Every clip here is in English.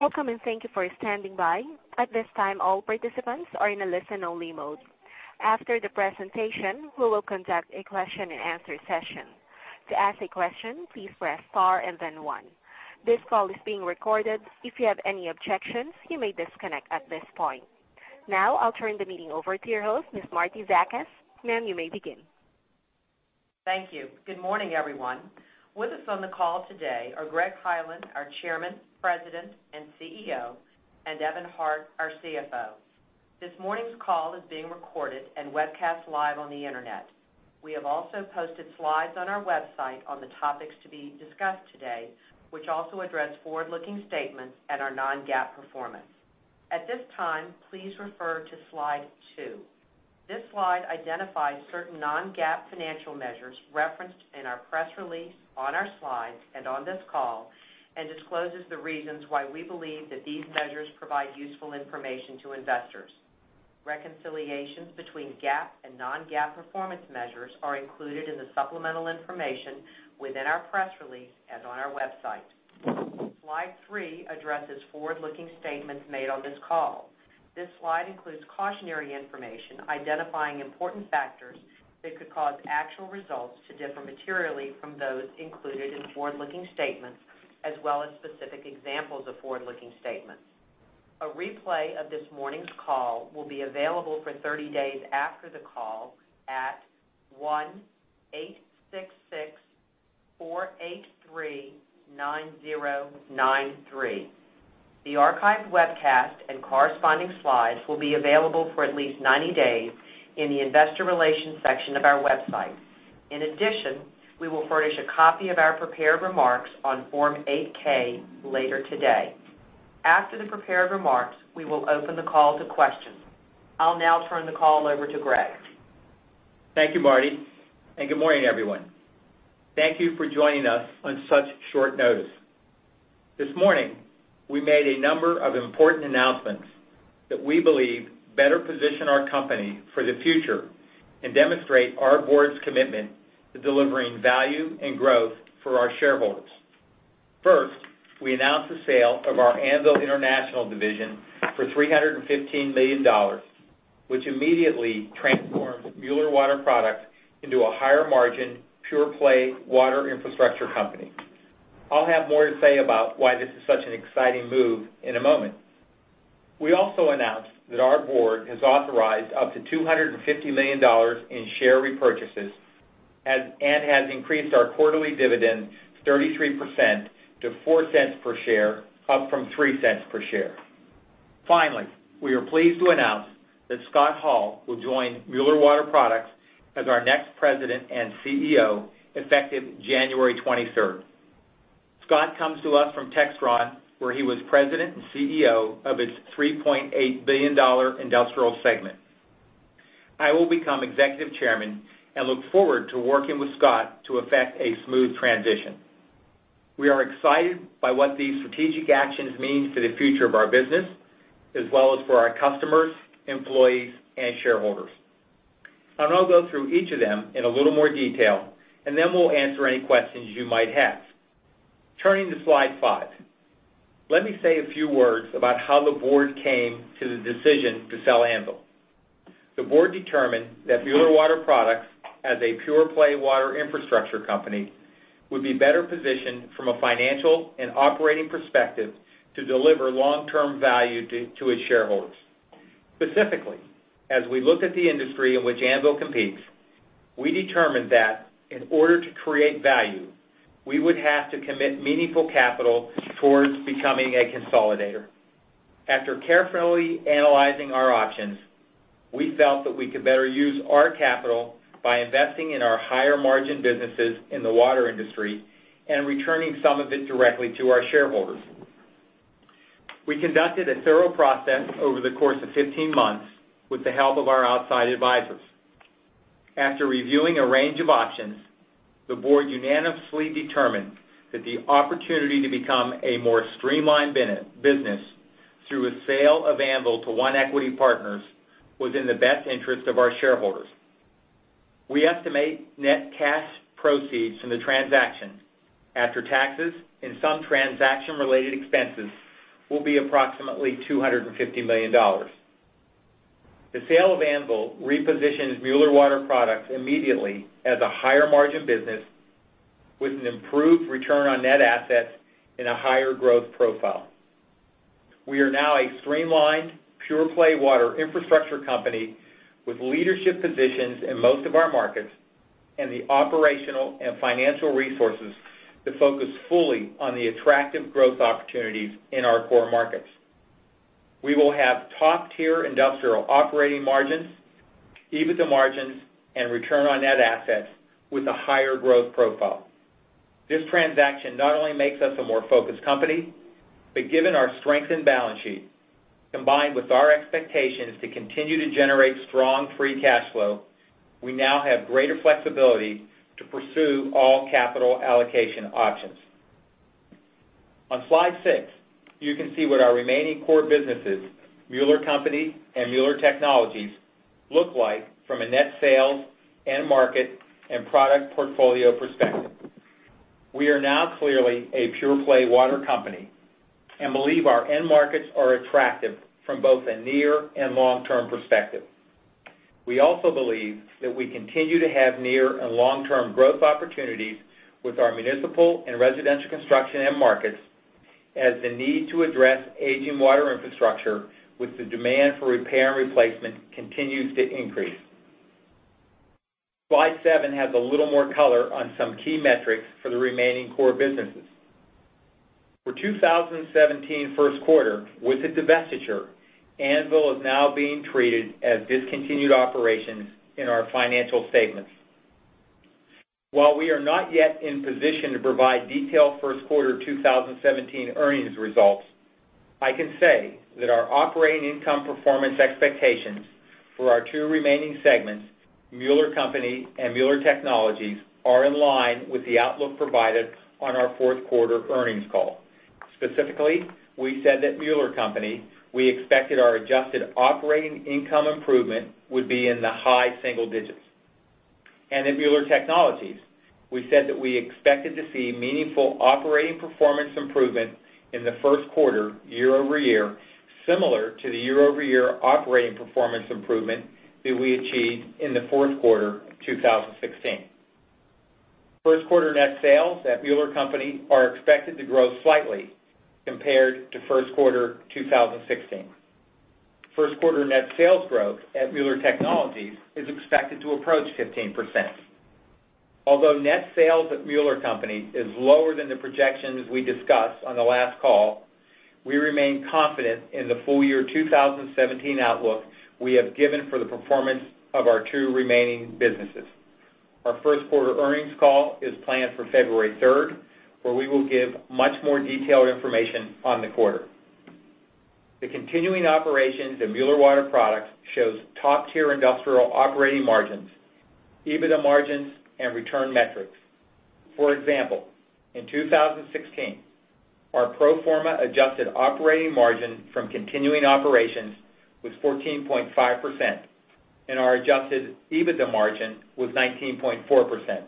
Welcome. Thank you for standing by. At this time, all participants are in a listen-only mode. After the presentation, we will conduct a question and answer session. To ask a question, please press star and then one. This call is being recorded. If you have any objections, you may disconnect at this point. Now, I'll turn the meeting over to your host, Ms. Marietta Zakas. Ma'am, you may begin. Thank you. Good morning, everyone. With us on the call today are Greg Hyland, our chairman, president, and CEO, and Evan Hart, our CFO. This morning's call is being recorded and webcast live on the internet. We have also posted slides on our website on the topics to be discussed today, which also address forward-looking statements and our non-GAAP performance. At this time, please refer to slide two. This slide identifies certain non-GAAP financial measures referenced in our press release, on our slides, and on this call, and discloses the reasons why we believe that these measures provide useful information to investors. Reconciliations between GAAP and non-GAAP performance measures are included in the supplemental information within our press release and on our website. Slide three addresses forward-looking statements made on this call. This slide includes cautionary information identifying important factors that could cause actual results to differ materially from those included in forward-looking statements, as well as specific examples of forward-looking statements. A replay of this morning's call will be available for 30 days after the call at 1-866-483-9093. The archived webcast and corresponding slides will be available for at least 90 days in the investor relations section of our website. In addition, we will furnish a copy of our prepared remarks on Form 8-K later today. After the prepared remarks, we will open the call to questions. I'll now turn the call over to Greg. Thank you, Marti. Good morning, everyone. Thank you for joining us on such short notice. This morning, we made a number of important announcements that we believe better position our company for the future and demonstrate our board's commitment to delivering value and growth for our shareholders. First, we announced the sale of our Anvil International division for $315 million, which immediately transforms Mueller Water Products into a higher-margin, pure-play water infrastructure company. I'll have more to say about why this is such an exciting move in a moment. We also announced that our board has authorized up to $250 million in share repurchases and has increased our quarterly dividend 33% to $0.04 per share, up from $0.03 per share. Finally, we are pleased to announce that Scott Hall will join Mueller Water Products as our next president and CEO effective January 23rd. Scott comes to us from Textron, where he was President and CEO of its $3.8 billion industrial segment. I will become Executive Chairman and look forward to working with Scott to effect a smooth transition. We are excited by what these strategic actions mean for the future of our business, as well as for our customers, employees, and shareholders. I'm going to go through each of them in a little more detail, then we'll answer any questions you might have. Turning to slide five. Let me say a few words about how the board came to the decision to sell Anvil. The board determined that Mueller Water Products, as a pure-play water infrastructure company, would be better positioned from a financial and operating perspective to deliver long-term value to its shareholders. Specifically, as we look at the industry in which Anvil competes, we determined that in order to create value, we would have to commit meaningful capital towards becoming a consolidator. After carefully analyzing our options, we felt that we could better use our capital by investing in our higher-margin businesses in the water industry and returning some of it directly to our shareholders. We conducted a thorough process over the course of 15 months with the help of our outside advisors. After reviewing a range of options, the board unanimously determined that the opportunity to become a more streamlined business through a sale of Anvil to One Equity Partners was in the best interest of our shareholders. We estimate net cash proceeds from the transaction after taxes and some transaction-related expenses will be approximately $250 million. The sale of Anvil repositions Mueller Water Products immediately as a higher-margin business with an improved return on net assets and a higher growth profile. We are now a streamlined, pure-play water infrastructure company with leadership positions in most of our markets and the operational and financial resources to focus fully on the attractive growth opportunities in our core markets. We will have top-tier industrial operating margins, EBITDA margins, and return on net assets with a higher growth profile. This transaction not only makes us a more focused company, but given our strengthened balance sheet, combined with our expectations to continue to generate strong free cash flow, we now have greater flexibility to pursue all capital allocation options. On slide six, you can see what our remaining core businesses, Mueller Company and Mueller Technologies, look like from a net sales and market and product portfolio perspective. We are now clearly a pure-play water company and believe our end markets are attractive from both a near and long-term perspective. We also believe that we continue to have near and long-term growth opportunities with our municipal and residential construction end markets, as the need to address aging water infrastructure with the demand for repair and replacement continues to increase. Slide seven has a little more color on some key metrics for the remaining core businesses. For 2017 first quarter, with the divestiture, Anvil is now being treated as discontinued operations in our financial statements. While we are not yet in position to provide detailed first quarter 2017 earnings results, I can say that our operating income performance expectations for our two remaining segments, Mueller Company and Mueller Technologies, are in line with the outlook provided on our fourth quarter earnings call. Specifically, we said that Mueller Company, we expected our adjusted operating income improvement would be in the high single digits. At Mueller Technologies, we said that we expected to see meaningful operating performance improvement in the first quarter year-over-year, similar to the year-over-year operating performance improvement that we achieved in the fourth quarter of 2016. First quarter net sales at Mueller Company are expected to grow slightly compared to first quarter 2016. First quarter net sales growth at Mueller Technologies is expected to approach 15%. Although net sales at Mueller Company is lower than the projections we discussed on the last call, we remain confident in the full year 2017 outlook we have given for the performance of our two remaining businesses. Our first quarter earnings call is planned for February 3rd, where we will give much more detailed information on the quarter. The continuing operations of Mueller Water Products shows top-tier industrial operating margins, EBITDA margins, and return metrics. For example, in 2016, our pro forma adjusted operating margin from continuing operations was 14.5%, and our adjusted EBITDA margin was 19.4%.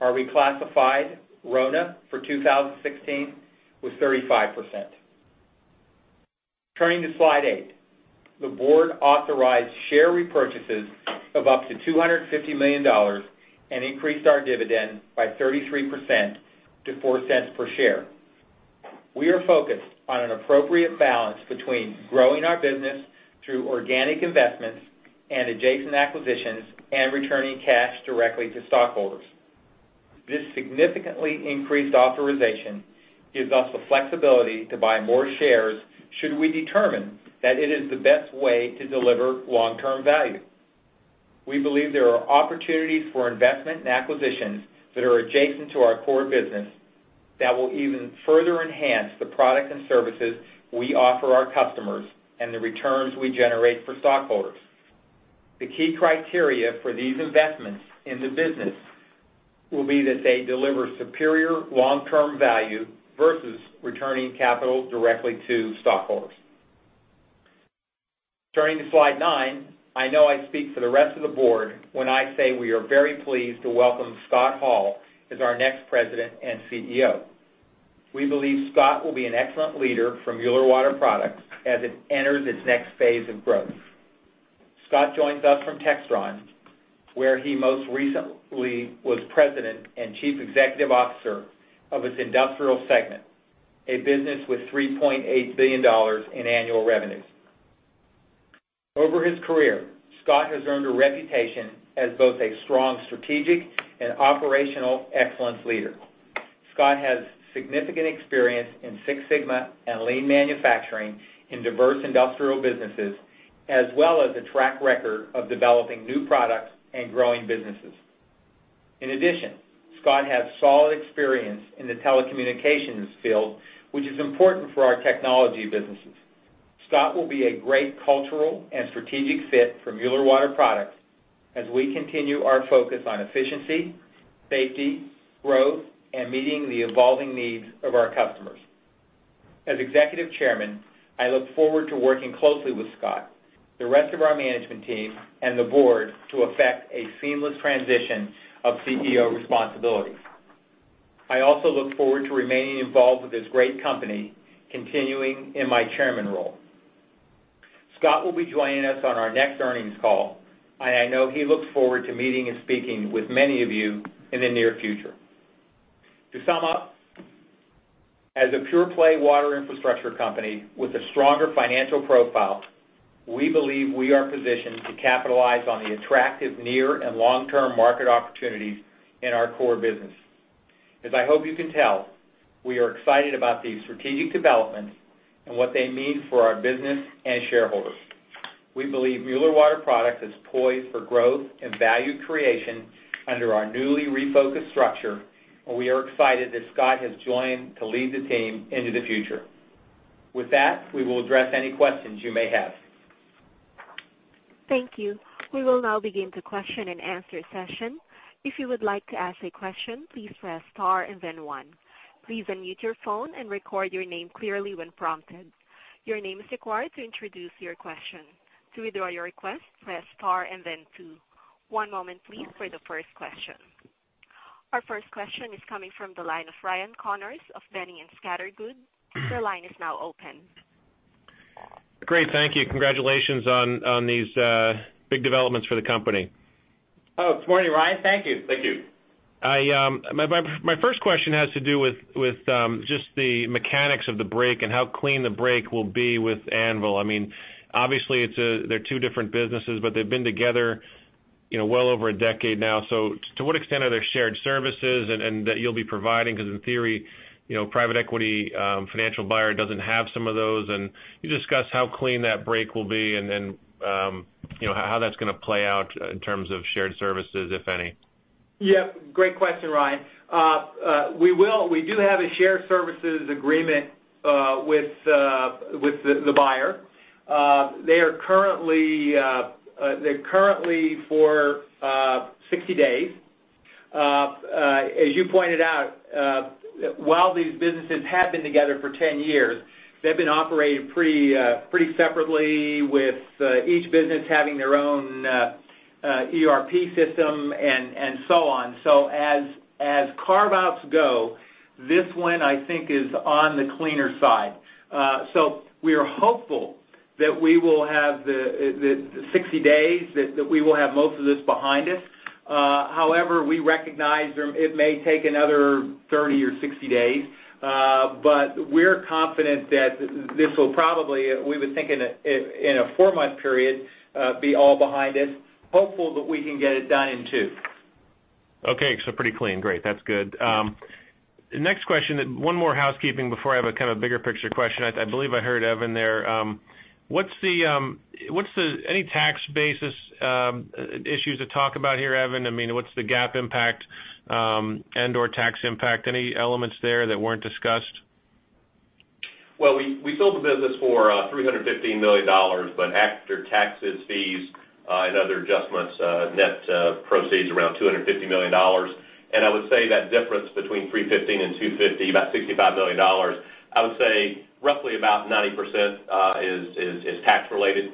Our reclassified RONA for 2016 was 35%. Turning to slide eight. The board authorized share repurchases of up to $250 million and increased our dividend by 33% to $0.04 per share. We are focused on an appropriate balance between growing our business through organic investments and adjacent acquisitions and returning cash directly to stockholders. This significantly increased authorization gives us the flexibility to buy more shares should we determine that it is the best way to deliver long-term value. We believe there are opportunities for investment and acquisitions that are adjacent to our core business that will even further enhance the products and services we offer our customers and the returns we generate for stockholders. The key criteria for these investments in the business will be that they deliver superior long-term value versus returning capital directly to stockholders. Turning to slide nine. I know I speak for the rest of the board when I say we are very pleased to welcome Scott Hall as our next president and CEO. We believe Scott will be an excellent leader for Mueller Water Products as it enters its next phase of growth. Scott joins us from Textron, where he most recently was president and chief executive officer of its industrial segment, a business with $3.8 billion in annual revenue. Over his career, Scott has earned a reputation as both a strong strategic and operational excellence leader. Scott has significant experience in Six Sigma and lean manufacturing in diverse industrial businesses, as well as a track record of developing new products and growing businesses. In addition, Scott has solid experience in the telecommunications field, which is important for our technology businesses. Scott will be a great cultural and strategic fit for Mueller Water Products as we continue our focus on efficiency, safety, growth, and meeting the evolving needs of our customers. As executive chairman, I look forward to working closely with Scott, the rest of our management team, and the board to effect a seamless transition of CEO responsibilities. I also look forward to remaining involved with this great company, continuing in my chairman role. Scott will be joining us on our next earnings call, and I know he looks forward to meeting and speaking with many of you in the near future. To sum up, as a pure-play water infrastructure company with a stronger financial profile, we believe we are positioned to capitalize on the attractive near and long-term market opportunities in our core business. As I hope you can tell, we are excited about these strategic developments and what they mean for our business and shareholders. We believe Mueller Water Products is poised for growth and value creation under our newly refocused structure, and we are excited that Scott has joined to lead the team into the future. With that, we will address any questions you may have. Thank you. We will now begin the question and answer session. If you would like to ask a question, please press star and then one. Please unmute your phone and record your name clearly when prompted. Your name is required to introduce your question. To withdraw your request, press star and then two. One moment please for the first question. Our first question is coming from the line of Ryan Connors of Boenning & Scattergood. Your line is now open. Great. Thank you. Congratulations on these big developments for the company. Good morning, Ryan. Thank you. Thank you. My first question has to do with just the mechanics of the break and how clean the break will be with Anvil. Obviously, they're two different businesses, but they've been together well over a decade now. To what extent are there shared services and that you'll be providing? Because in theory, private equity financial buyer doesn't have some of those, and can you discuss how clean that break will be and then how that's going to play out in terms of shared services, if any? Yep. Great question, Ryan. We do have a shared services agreement with the buyer. They're currently for 60 days. As you pointed out, while these businesses have been together for 10 years, they've been operating pretty separately with each business having their own ERP system and so on. As carve-outs go, this one, I think, is on the cleaner side. We are hopeful that we will have the 60 days, that we will have most of this behind us. However, we recognize it may take another 30 or 60 days. We're confident that this will probably, we would think in a four-month period, be all behind us, hopeful that we can get it done in two. Okay. Pretty clean. Great. That's good. Next question, one more housekeeping before I have a kind of bigger picture question. I believe I heard Evan there. Any tax basis issues to talk about here, Evan? What's the GAAP impact, and/or tax impact? Any elements there that weren't discussed? Well, we sold the business for $315 million, but after taxes, fees, and other adjustments, net proceeds around $250 million. I would say that difference between 315 and 250, about $65 million, I would say roughly about 90% is tax-related.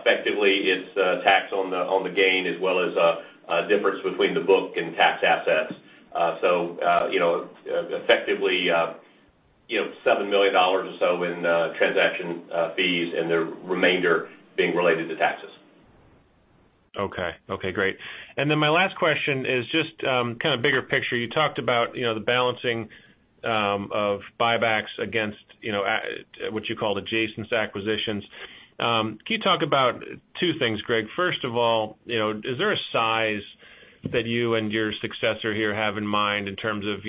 Effectively, it's tax on the gain, as well as a difference between the book and tax assets. Effectively, $7 million or so in transaction fees and the remainder being related to taxes. My last question is just kind of bigger picture. You talked about the balancing of buybacks against what you call adjacent acquisitions. Can you talk about two things, Greg? First of all, is there a size that you and your successor here have in mind in terms of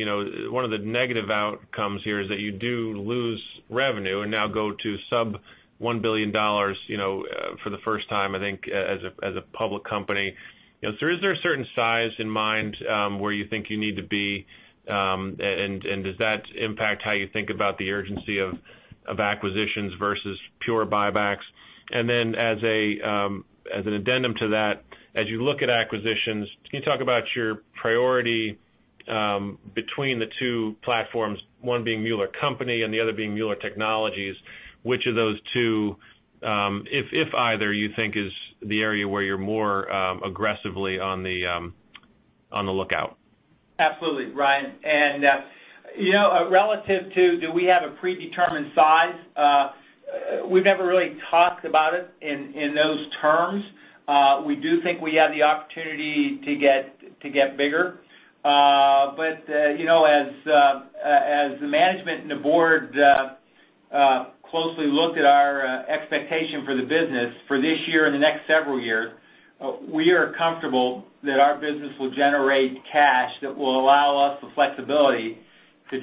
one of the negative outcomes here is that you do lose revenue and now go to sub $1 billion for the first time, I think, as a public company. Is there a certain size in mind where you think you need to be? Does that impact how you think about the urgency of acquisitions versus pure buybacks? As an addendum to that, as you look at acquisitions, can you talk about your priority between the two platforms, one being Mueller Company and the other being Mueller Technologies, which of those two if either you think is the area where you're more aggressively on the lookout? Absolutely, Ryan. Relative to do we have a predetermined size? We've never really talked about it in those terms. We do think we have the opportunity to get bigger. As the management and the board closely look at our expectation for the business for this year and the next several years, we are comfortable that our business will generate cash that will allow us the flexibility to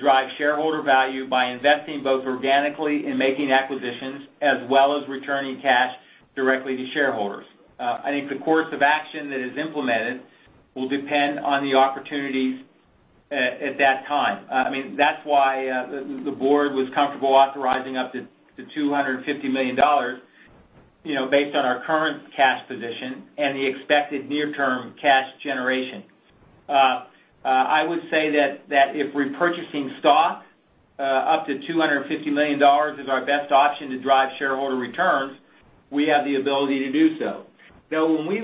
drive shareholder value by investing both organically in making acquisitions as well as returning cash directly to shareholders. I think the course of action that is implemented will depend on the opportunities at that time. That's why the board was comfortable authorizing up to $250 million, based on our current cash position and the expected near-term cash generation. I would say that if repurchasing stock up to $250 million is our best option to drive shareholder returns, we have the ability to do so. We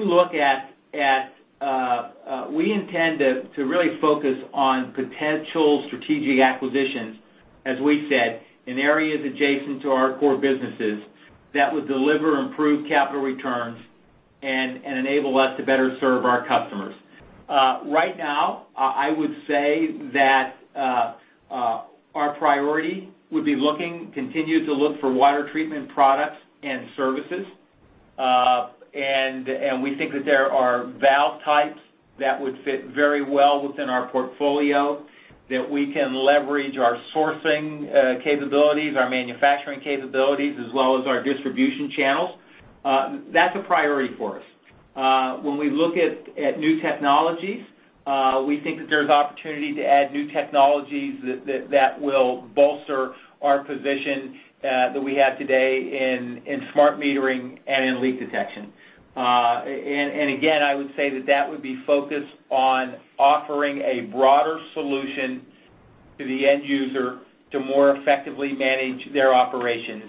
intend to really focus on potential strategic acquisitions, as we said, in areas adjacent to our core businesses that would deliver improved capital returns and enable us to better serve our customers. Right now, I would say that our priority would be continue to look for water treatment products and services. We think that there are valve types that would fit very well within our portfolio, that we can leverage our sourcing capabilities, our manufacturing capabilities, as well as our distribution channels. That's a priority for us. When we look at new technologies, we think that there's opportunity to add new technologies that will bolster our position that we have today in smart metering and in leak detection. Again, I would say that that would be focused on offering a broader solution to the end user to more effectively manage their operations.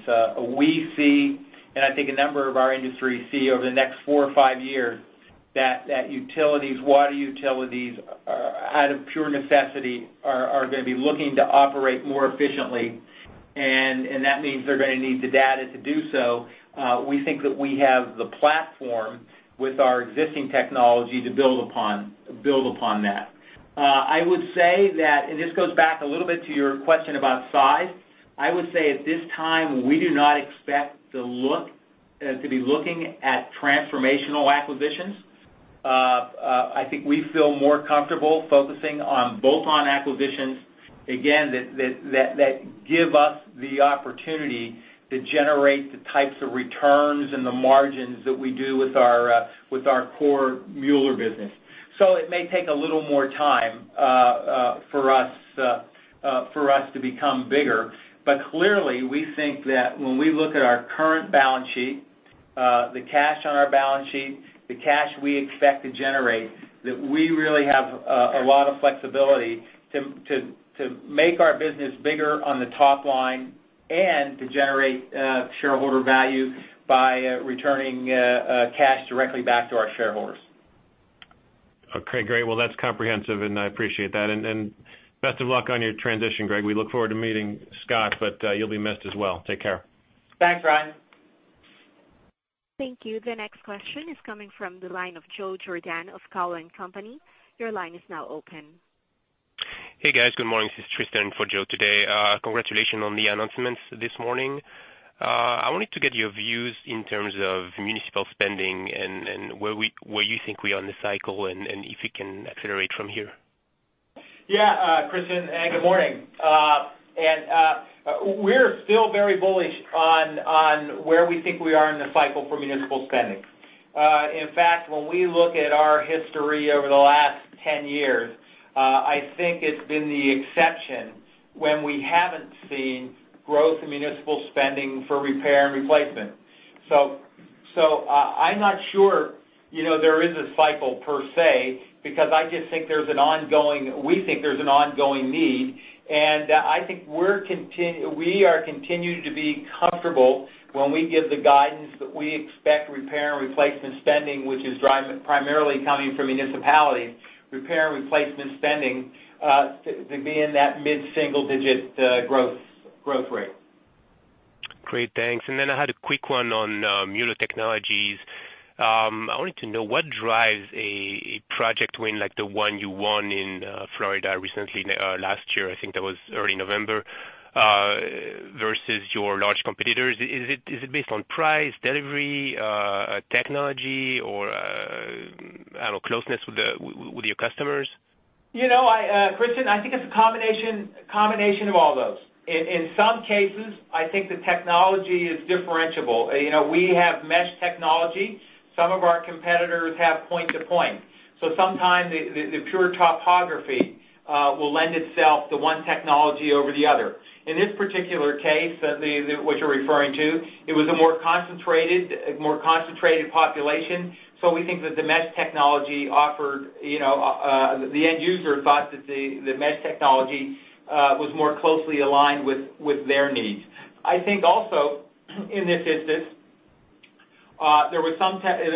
We see, and I think a number of our industry see over the next four or five years That utilities, water utilities, out of pure necessity, are going to be looking to operate more efficiently, and that means they're going to need the data to do so. We think that we have the platform with our existing technology to build upon that. I would say that, and this goes back a little bit to your question about size, I would say at this time, we do not expect to be looking at transformational acquisitions. I think we feel more comfortable focusing on bolt-on acquisitions, again, that give us the opportunity to generate the types of returns and the margins that we do with our core Mueller business. It may take a little more time for us to become bigger. Clearly, we think that when we look at our current balance sheet, the cash on our balance sheet, the cash we expect to generate, that we really have a lot of flexibility to make our business bigger on the top line and to generate shareholder value by returning cash directly back to our shareholders. Okay, great. Well, that's comprehensive, and I appreciate that. Best of luck on your transition, Greg. We look forward to meeting Scott, but you'll be missed as well. Take care. Thanks, Ryan. Thank you. The next question is coming from the line of Joe Giordano of Cowen and Company. Your line is now open. Hey, guys. Good morning. This is Tristan for Joe today. Congratulations on the announcements this morning. I wanted to get your views in terms of municipal spending and where you think we are in the cycle and if it can accelerate from here. Tristan, good morning. We're still very bullish on where we think we are in the cycle for municipal spending. In fact, when we look at our history over the last 10 years, I think it's been the exception when we haven't seen growth in municipal spending for repair and replacement. I'm not sure there is a cycle per se, because we think there's an ongoing need, and I think we are continuing to be comfortable when we give the guidance that we expect repair and replacement spending, which is primarily coming from municipalities, repair and replacement spending to be in that mid-single-digit growth rate. Great, thanks. Then I had a quick one on Mueller Technologies. I wanted to know what drives a project win like the one you won in Florida recently, last year, I think that was early November, versus your large competitors. Is it based on price, delivery, technology, or closeness with your customers? Tristan, I think it's a combination of all those. In some cases, I think the technology is differentiable. We have mesh technology. Some of our competitors have point-to-point. Sometimes the pure topography will lend itself to one technology over the other. In this particular case, which you're referring to, it was a more concentrated population, so we think that the end user thought that the mesh technology was more closely aligned with their needs. I think also, in this instance, there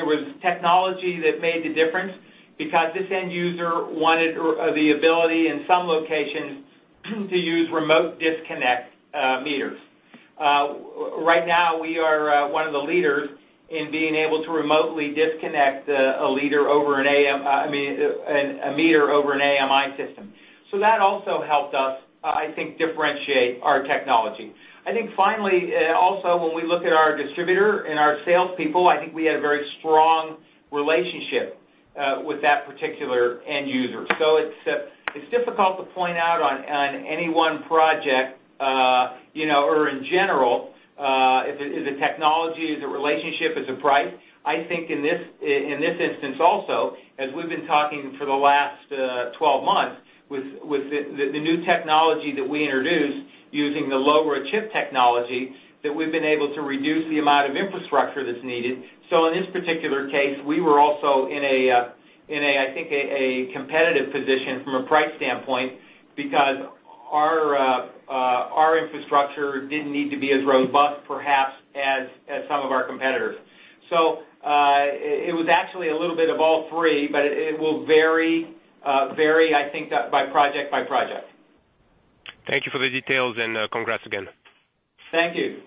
was technology that made the difference because this end user wanted the ability in some locations to use remote disconnect meters. Right now, we are one of the leaders in being able to remotely disconnect a meter over an AMI system. That also helped us, I think, differentiate our technology. I think finally, also, when we look at our distributor and our salespeople, I think we had a very strong relationship with that particular end user. It's difficult to point out on any one project, or in general, is it technology? Is it relationship? Is it price? I think in this instance also, as we've been talking for the last 12 months, with the new technology that we introduced using the LoRa chip technology, that we've been able to reduce the amount of infrastructure that's needed. In this particular case, we were also in a, I think, competitive position from a price standpoint because our infrastructure didn't need to be as robust, perhaps, as some of our competitors. It was actually a little bit of all three, but it will vary, I think, by project. Thank you for the details, and congrats again. Thank you.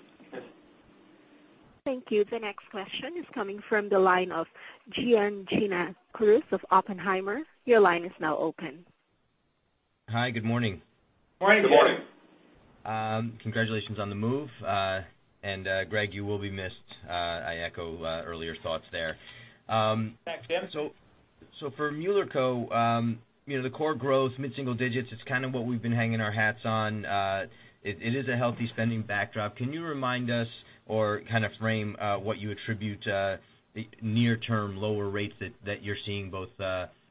Thank you. The next question is coming from the line of Jim Giannakouros of Oppenheimer. Your line is now open. Hi, good morning. Morning. Good morning. Congratulations on the move. Greg, you will be missed. I echo earlier thoughts there. Thanks, Jim. For Mueller Co, the core growth, mid-single digits, it's kind of what we've been hanging our hats on. It is a healthy spending backdrop. Can you remind us or kind of frame what you attribute the near-term lower rates that you're seeing both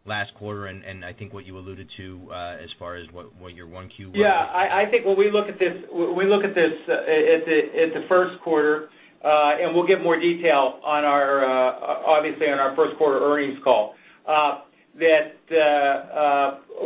last quarter and I think what you alluded to as far as what your 1Q was? I think when we look at this, it's a first quarter, and we'll give more detail obviously on our first quarter earnings call.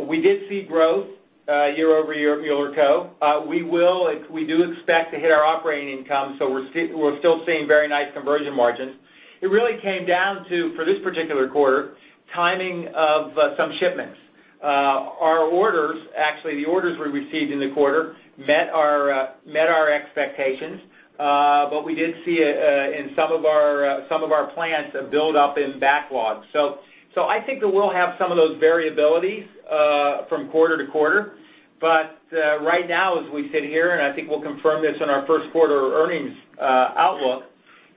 We did see growth year-over-year at Mueller Co. We do expect to hit our operating income, we're still seeing very nice conversion margins. It really came down to, for this particular quarter, timing of some shipments. Our orders, actually, the orders we received in the quarter met our expectations. We did see, in some of our plants, a buildup in backlogs. I think that we'll have some of those variabilities from quarter to quarter. Right now, as we sit here, and I think we'll confirm this in our first quarter earnings outlook,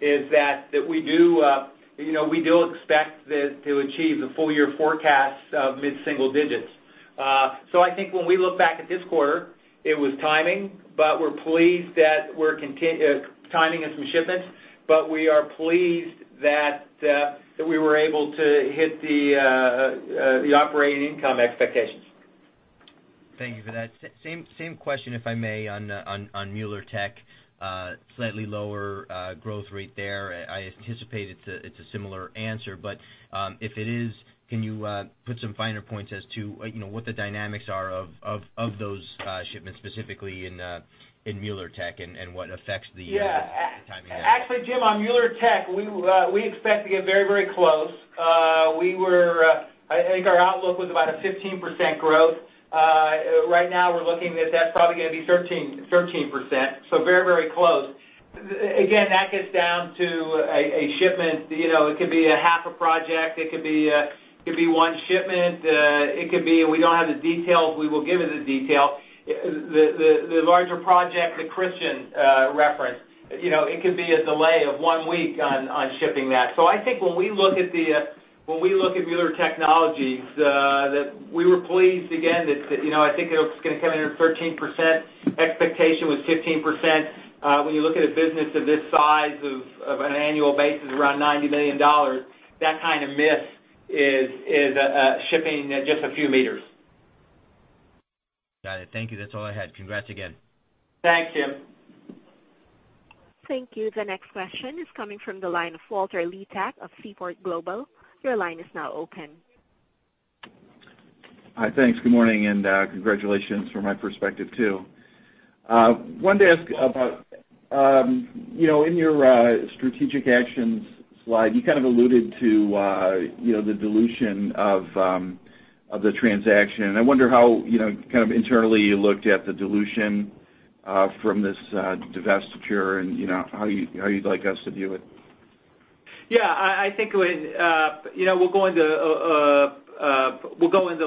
is that we do expect to achieve the full-year forecast of mid-single digits. I think when we look back at this quarter, it was timing, we're pleased that we're timing in some shipments. We are pleased that we were able to hit the operating income expectations. Thank you for that. Same question, if I may, on Mueller Tech. Slightly lower growth rate there. I anticipate it's a similar answer, but if it is, can you put some finer points as to what the dynamics are of those shipments, specifically in Mueller Tech, and what affects the timing there? Yeah. Actually, Jim, on Mueller Tech, we expect to get very close. I think our outlook was about a 15% growth. Right now we're looking that's probably going to be 13%. Very close. Again, that gets down to a shipment. It could be a half a project. It could be one shipment. We don't have the details. We will give you the detail. The larger project that Christian referenced, it could be a delay of one week on shipping that. I think when we look at Mueller Technologies, that we were pleased again that I think it was going to come in around 13%. Expectation was 15%. When you look at a business of this size of an annual basis, around $90 million, that kind of miss is shipping at just a few meters. Got it. Thank you. That's all I had. Congrats again. Thanks, Jim. Thank you. The next question is coming from the line of Walter Liptak of Seaport Global. Your line is now open. Hi. Thanks. Good morning, Congratulations from my perspective, too. I wanted to ask about in your strategic actions slide, you kind of alluded to the dilution of the transaction. I wonder how internally you looked at the dilution from this divestiture and how you'd like us to view it. Yeah. I think we'll go into a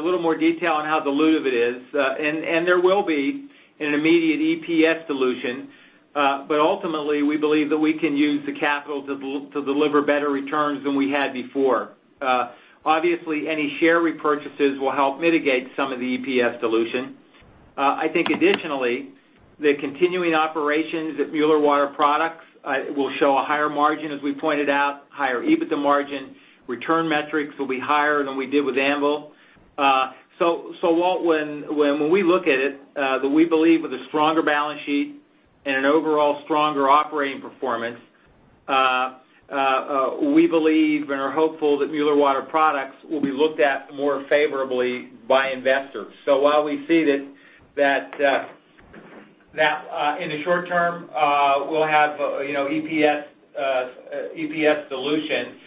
little more detail on how dilutive it is. There will be an immediate EPS dilution. Ultimately, we believe that we can use the capital to deliver better returns than we had before. Obviously, any share repurchases will help mitigate some of the EPS dilution. I think additionally, the continuing operations at Mueller Water Products will show a higher margin as we pointed out, higher EBITDA margin, return metrics will be higher than we did with Anvil. Walt, when we look at it, we believe with a stronger balance sheet and an overall stronger operating performance, we believe and are hopeful that Mueller Water Products will be looked at more favorably by investors. While we see that in the short term, we'll have EPS dilution,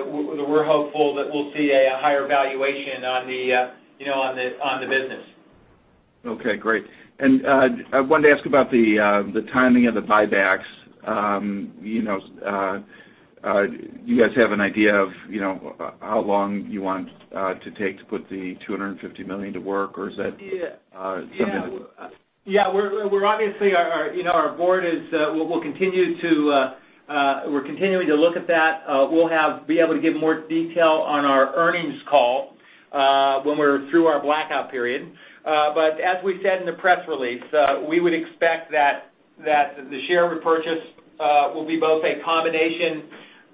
we're hopeful that we'll see a higher valuation on the business. Okay. Great. I wanted to ask about the timing of the buybacks. Do you guys have an idea of how long you want to take to put the $250 million to work, or is that something? Obviously our board will continue to look at that. We'll be able to give more detail on our earnings call when we're through our blackout period. As we said in the press release, we would expect that the share repurchase will be both a combination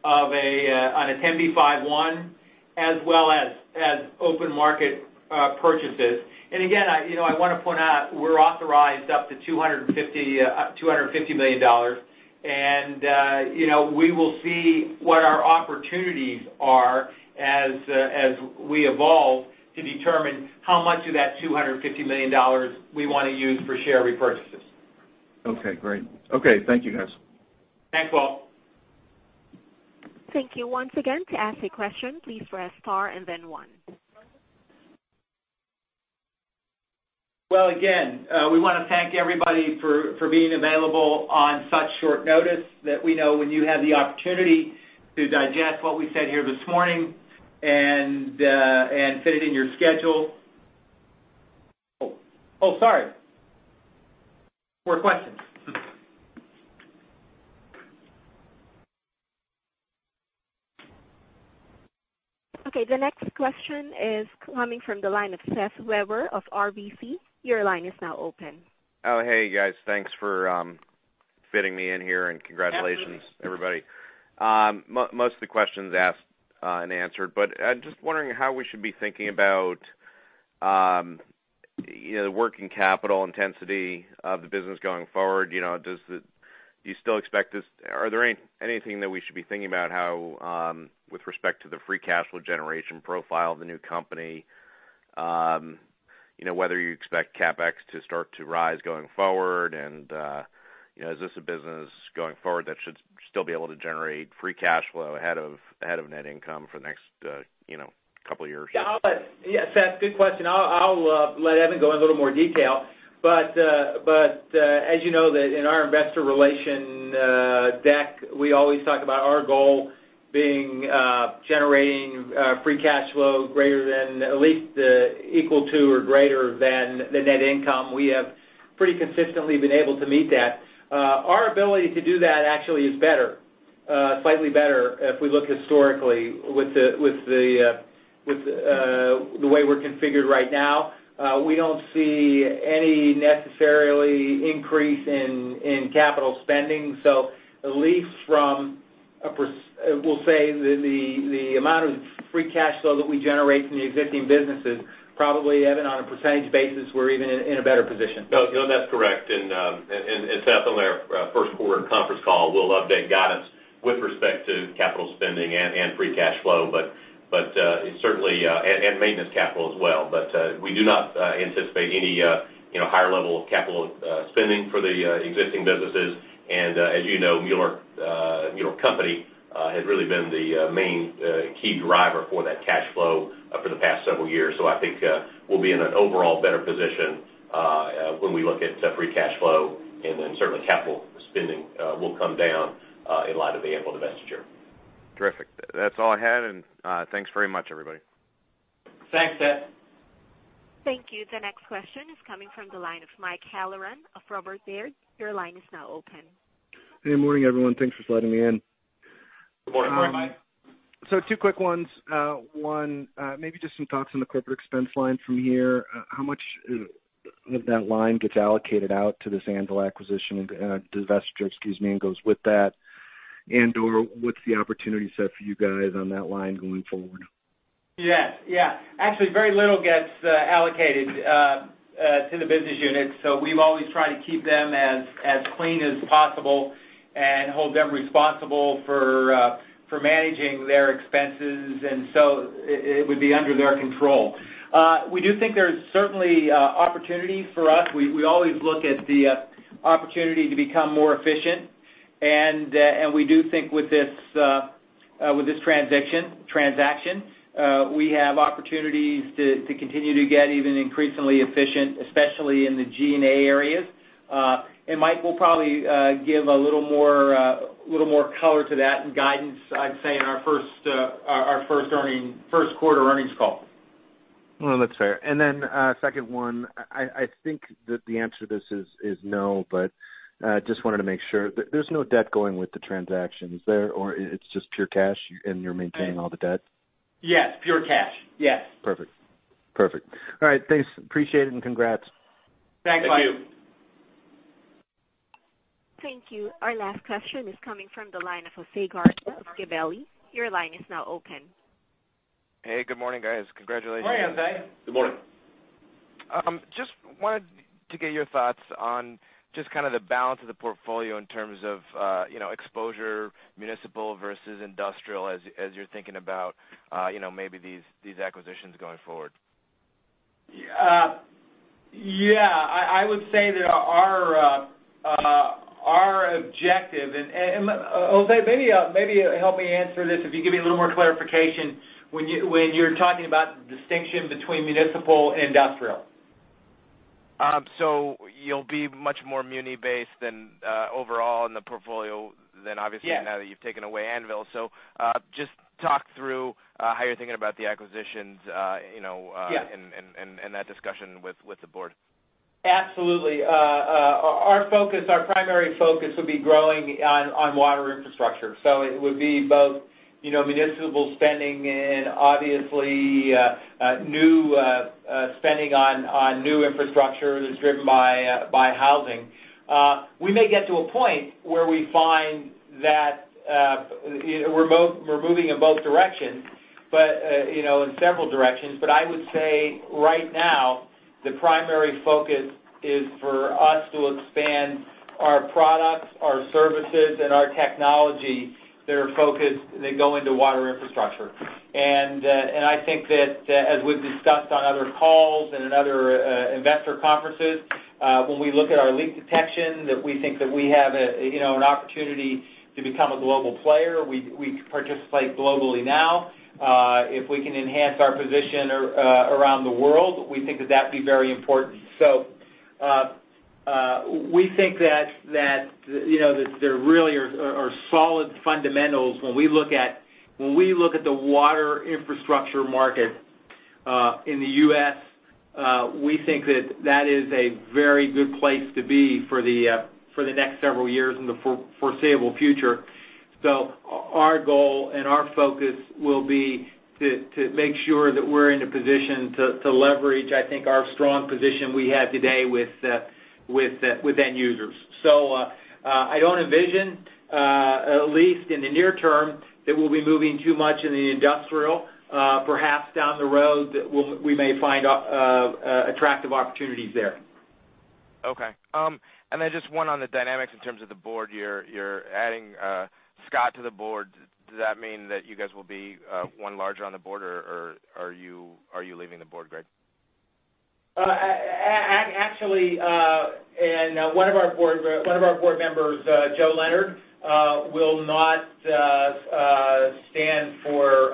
on a 10b5-1 as well as open market purchases. Again, I want to point out, we're authorized up to $250 million. We will see what our opportunities are as we evolve to determine how much of that $250 million we want to use for share repurchases. Thank you, guys. Thanks, Walt. Thank you. Once again, to ask a question, please press star and then one. Well, again, we want to thank everybody for being available on such short notice, that we know when you have the opportunity to digest what we said here this morning and fit it in your schedule. Oh, sorry. More questions. Okay. The next question is coming from the line of Seth Weber of RBC. Your line is now open. Hey guys. Thanks for fitting me in here and congratulations everybody. Yeah. Most of the questions asked and answered, but I'm just wondering how we should be thinking about the working capital intensity of the business going forward. Are there anything that we should be thinking about with respect to the free cash flow generation profile of the new company? Whether you expect CapEx to start to rise going forward, and is this a business going forward that should still be able to generate free cash flow ahead of net income for the next couple years? Seth, good question. I'll let Evan go in a little more detail. As you know, in our investor relations deck, we always talk about our goal being generating free cash flow at least equal to or greater than the net income. We have pretty consistently been able to meet that. Our ability to do that actually is slightly better if we look historically with the way we're configured right now. We don't see any necessarily increase in capital spending. At least from, we'll say, the amount of free cash flow that we generate from the existing businesses, probably, Evan, on a percentage basis, we're even in a better position. No, that's correct. Seth, on our first quarter conference call, we'll update guidance with respect to capital spending and free cash flow and maintenance capital as well. We do not anticipate any higher level of capital spending for the existing businesses. As you know, Mueller Company has really been the main key driver for that cash flow for the past several years. I think we'll be in an overall better position, when we look at free cash flow, and then certainly capital spending will come down in light of the Anvil divestiture. Terrific. That's all I had, thanks very much, everybody. Thanks, Seth. Thank you. The next question is coming from the line of Mike Halloran of Robert Baird. Your line is now open. Good morning, everyone. Thanks for letting me in. Good morning, Mike. Two quick ones. One, maybe just some thoughts on the corporate expense line from here. How much of that line gets allocated out to this Anvil divestiture and goes with that? And/or what's the opportunity set for you guys on that line going forward? Yeah. Actually, very little gets allocated to the business units. We've always tried to keep them as clean as possible and hold them responsible for managing their expenses. It would be under their control. We do think there's certainly opportunity for us. We always look at the opportunity to become more efficient, and we do think with this transaction, we have opportunities to continue to get even increasingly efficient, especially in the G&A areas. Mike, we'll probably give a little more color to that and guidance, I'd say, on our first quarter earnings call. Well, that's fair. Then, second one, I think that the answer to this is no, but just wanted to make sure. There's no debt going with the transaction, is there? It's just pure cash and you're maintaining all the debt? Yes. Pure cash. Yes. Perfect. All right, thanks. Appreciate it, and congrats. Thanks, Mike. Thank you. Thank you. Our last question is coming from the line of Jose Garza of Gabelli. Your line is now open. Hey, good morning, guys. Congratulations. Hi, Jose. Good morning. Just wanted to get your thoughts on just kind of the balance of the portfolio in terms of exposure, municipal versus industrial, as you're thinking about maybe these acquisitions going forward. Yeah. I would say that our objective Jose, maybe you help me answer this, if you give me a little more clarification, when you're talking about the distinction between municipal and industrial. You'll be much more muni-based overall in the portfolio than obviously. Yeah Now that you've taken away Anvil. Just talk through how you're thinking about the acquisitions. Yeah That discussion with the board. Absolutely. Our primary focus would be growing on water infrastructure. It would be both municipal spending and obviously spending on new infrastructure that's driven by housing. We may get to a point where we find that we're moving in both directions, in several directions. I would say right now, the primary focus is for us to expand our products, our services, and our technology that go into water infrastructure. I think that, as we've discussed on other calls and in other investor conferences, when we look at our leak detection, that we think that we have an opportunity to become a global player. We participate globally now. If we can enhance our position around the world, we think that that'd be very important. We think that there really are solid fundamentals when we look at the water infrastructure market in the U.S. We think that that is a very good place to be for the next several years and the foreseeable future. Our goal and our focus will be to make sure that we're in a position to leverage, I think, our strong position we have today with end users. In the near term, I don't envision that we'll be moving too much in the industrial. Perhaps down the road, we may find attractive opportunities there. Okay. Just one on the dynamics in terms of the board. You're adding Scott to the board. Does that mean that you guys will be one larger on the board, or are you leaving the board, Greg? Actually, one of our board members, Joe Leonard, will not stand for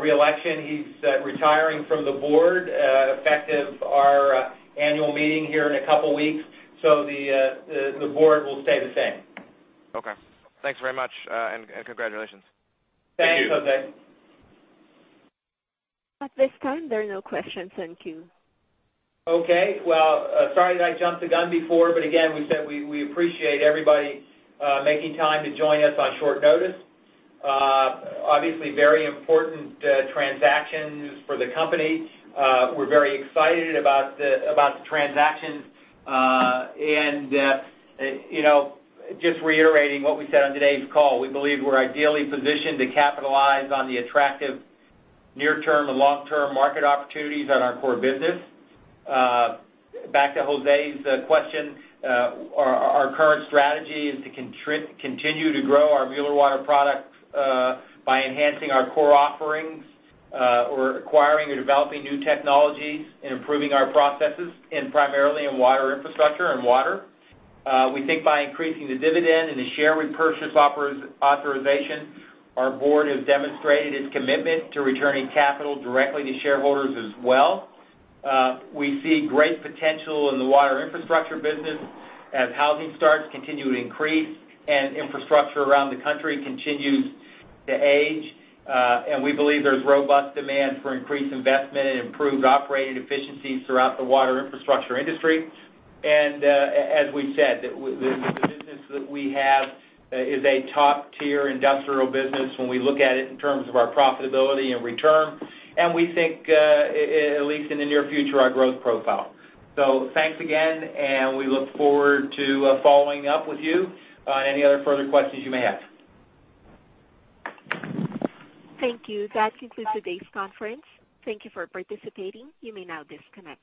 reelection. He's retiring from the board effective our annual meeting here in a couple of weeks. The board will stay the same. Okay. Thanks very much, congratulations. Thanks, Jose. At this time, there are no questions in queue. Okay. Well, sorry that I jumped the gun before. Again, we said we appreciate everybody making time to join us on short notice. Obviously, very important transactions for the company. We're very excited about the transactions. Just reiterating what we said on today's call, we believe we're ideally positioned to capitalize on the attractive near-term and long-term market opportunities on our core business. Back to Jose's question, our current strategy is to continue to grow our Mueller Water Products by enhancing our core offerings, or acquiring or developing new technologies and improving our processes, primarily in water infrastructure and water. We think by increasing the dividend and the share repurchase authorization, our board has demonstrated its commitment to returning capital directly to shareholders as well. We see great potential in the water infrastructure business as housing starts continue to increase and infrastructure around the country continues to age. We believe there's robust demand for increased investment and improved operating efficiencies throughout the water infrastructure industry. As we've said, the business that we have is a top-tier industrial business when we look at it in terms of our profitability and return, and we think, at least in the near future, our growth profile. Thanks again, and we look forward to following up with you on any other further questions you may have. Thank you. That concludes today's conference. Thank you for participating. You may now disconnect.